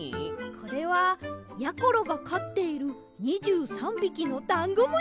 これはやころがかっている２３びきのダンゴムシたちです！